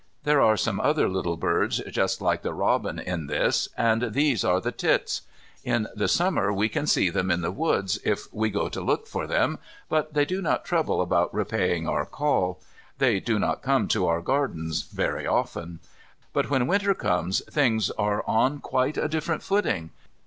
There are some other little birds just like the robin in this and these are the tits. In the Summer we can see them in the woods if we go to look for them, but they do not trouble about repaying our call; they do not come to our gardens very often. But when Winter comes things are on quite a different footing.